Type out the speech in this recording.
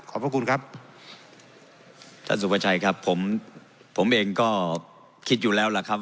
พระคุณครับท่านสุภาชัยครับผมผมเองก็คิดอยู่แล้วล่ะครับ